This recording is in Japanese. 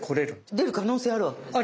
出る可能性あるわけですね？